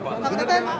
pak tete apa